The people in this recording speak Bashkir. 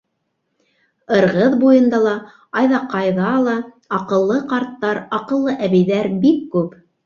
Ырғыҙ буйында ла, Айҙаҡайҙа ла аҡыллы ҡарттар, аҡыллы әбейҙәр бик күп.